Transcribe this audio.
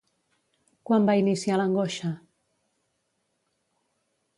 Quan va iniciar l'angoixa?